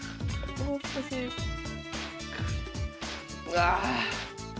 ああ！